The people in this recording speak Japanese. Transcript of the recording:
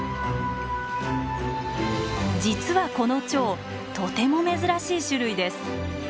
実はこのチョウとても珍しい種類です。